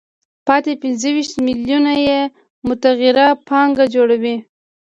پاتې پنځه ویشت میلیونه یې متغیره پانګه جوړوي